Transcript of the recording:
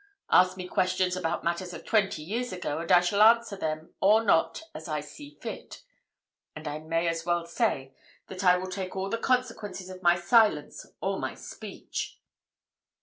Ask me questions about matters of twenty years ago, and I shall answer them or not as I see fit. And I may as well say that I will take all the consequences of my silence or my speech."